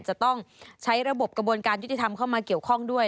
จะต้องใช้ระบบกระบวนการยุติธรรมเข้ามาเกี่ยวข้องด้วย